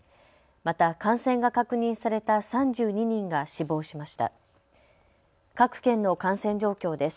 また感染が確認された３２人が死亡しました。